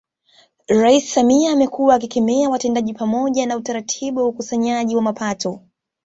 Rais Samia amekuwa akikemea watendaji pamoja na utaratibu wa ukusanyaji wa mapato